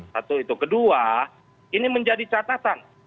satu itu kedua ini menjadi catatan